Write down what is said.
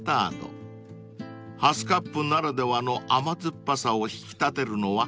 ［ハスカップならではの甘酸っぱさを引き立てるのは］